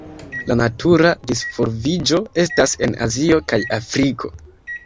La natura disvolviĝo estas en Azio kaj Afriko.